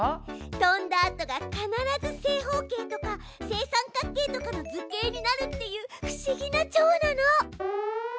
飛んだあとが必ず正方形とか正三角形とかの図形になるっていう不思議なチョウなの！